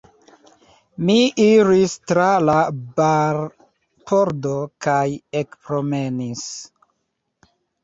Mi iris tra la barpordo kaj ekpromenis.